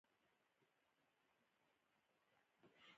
تنوع د افغانستان د اجتماعي جوړښت برخه ده.